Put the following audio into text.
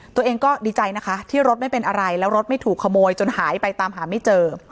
ตัวเองก็ดีใจนะคะที่รถไม่เป็นอะไรแล้วรถไม่ถูกขโมยจนหายไปตามหาไม่เจอ